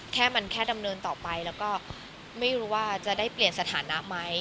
แค่มันแค่ดำเนินต่อไปแล้วก็ไม่รู้ว่าจะได้เปลี่ยนสถานะไหม